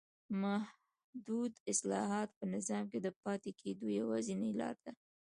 محدود اصلاحات په نظام کې د پاتې کېدو یوازینۍ لار ده.